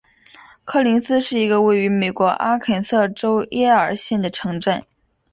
科林斯是一个位于美国阿肯色州耶尔县的城镇。